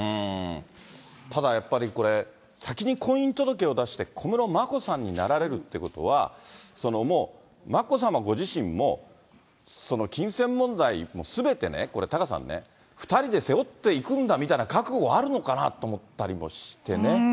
ただやっぱり、これ、先に婚姻届を出して、小室眞子さんになられるということは、もう、眞子さまご自身も、金銭問題もすべてね、タカさんね、２人で背負っていくんだみたいな覚悟はあるのかなと思ったりもしてね。